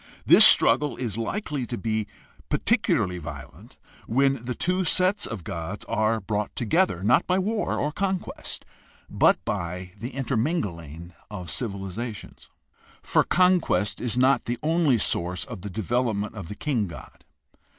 This struggle is likely to be particularly violent when the two sets of gods are brought together, not by war or conquest, but by the inter mingling of civilizations. For conquest is not the only source of the development of the king god.